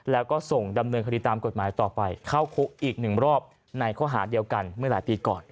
แล้วก็ส่งดำเนินคดีตามกฎหมายต่อไปเข้าคุกอีกหนึ่งรอบในข้อหาเดียวกันเมื่อหลายปีก่อน